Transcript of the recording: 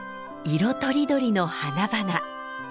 色とりどりの花々。